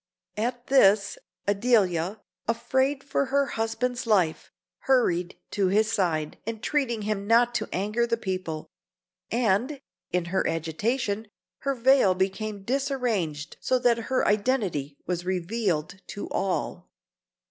At this, Adelia, afraid for her husband's life, hurried to his side, entreating him not to anger the people; and, in her agitation, her veil became disarranged, so that her identity was revealed to all.